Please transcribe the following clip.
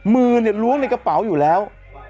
มือเนี่ยล้วงในกระเป๋าอยู่แล้ว